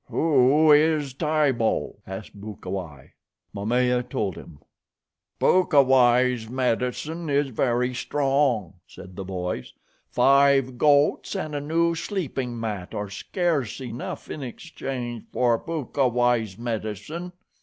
"Who is Tibo?" asked Bukawai. Momaya told him. "Bukawai's medicine is very strong," said the voice. "Five goats and a new sleeping mat are scarce enough in exchange for Bukawai's medicine."